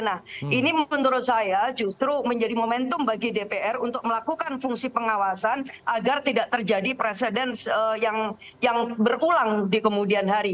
nah ini menurut saya justru menjadi momentum bagi dpr untuk melakukan fungsi pengawasan agar tidak terjadi presiden yang berulang di kemudian hari